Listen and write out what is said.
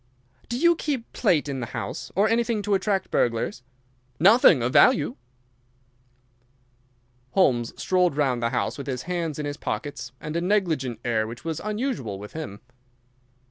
"Do you keep plate in the house, or anything to attract burglars?" "Nothing of value." Holmes strolled round the house with his hands in his pockets and a negligent air which was unusual with him.